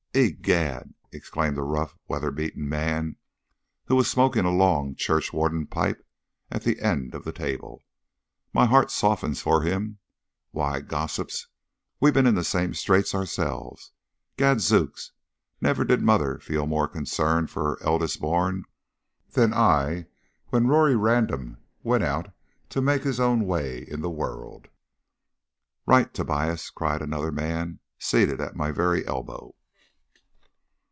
"Egad!" exclaimed a rough, weather beaten man, who was smoking a long churchwarden pipe at my end of the table, "my heart softens for him. Why, gossips, we've been in the same straits ourselves. Gadzooks, never did mother feel more concern for her eldest born than I when Rory Random went out to make his own way in the world." "Right, Tobias, right!" cried another man, seated at my very elbow.